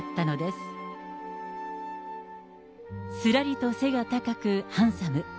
すらりと背が高く、ハンサム。